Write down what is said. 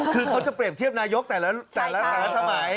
คือเขาจะเปรียบเทียบนายกแต่ละสมัย